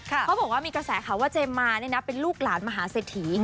ค่ะเค้าบอกว่ามีกระแสข่าวว่าเจมมานี่นะเป็นลูกหลานมหาเสร็จถี